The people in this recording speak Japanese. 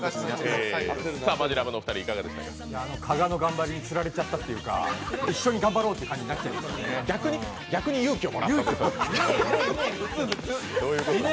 加賀の頑張りに釣られちゃったというか、一緒に頑張ろうっていう感じになっちゃって、勇気をもらった。